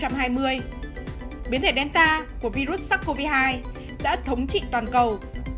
biến thể delta của virus sars cov hai đã thống trị toàn cầu